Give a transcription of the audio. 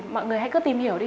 mọi người hãy cứ tìm hiểu đi